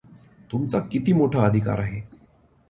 तुमचा किती मोठा अधिकार आहे.